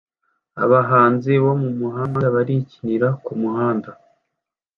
Abahanzi bo mumuhanda barikinira kumuhanda